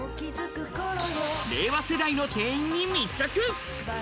令和世代の店員に密着。